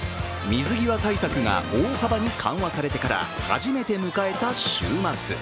水際対策が大幅に緩和されてから初めて迎えた週末。